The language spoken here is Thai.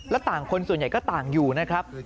และต่างคนส่วนใหญ่ก็ต่างอยู่นะครับ